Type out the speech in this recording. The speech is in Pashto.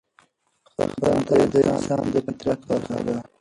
خندا د انسان د فطرت برخه ده.